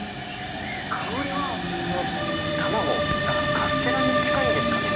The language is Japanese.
香りは卵だからカステラに近いんですかね。